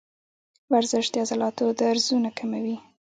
ورزش د عضلاتو درزونه کموي.